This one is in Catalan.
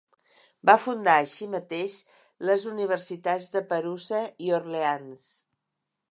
Va fundar així mateix les universitats de Perusa i Orleans.